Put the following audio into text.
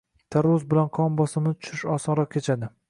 Tarvuz bilan qon bosimini tushirish osonroq kechadi.